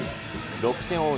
６点を追う